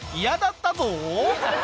「嫌だったぞ」